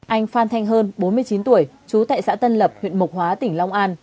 anh phan thanh hơn bốn mươi chín tuổi chú tại xã tân lập huyện mục hóa tỉnh long an